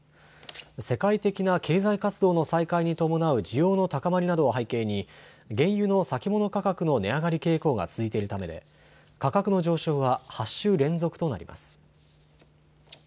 世界的な経済活動の再開に伴う需要の高まりなどを背景に原油の先物価格の値上がり傾向が続いているためで価格の上昇は８週連続となります。